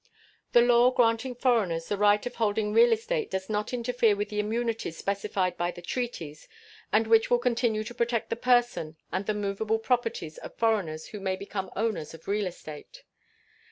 The law granting foreigners the right of holding real estate does not interfere with the immunities specified by the treaties, and which will continue to protect the person and the movable property of foreigners who may become owners of real estate.